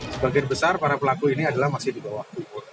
sebagian besar para pelaku ini adalah masih di bawah umur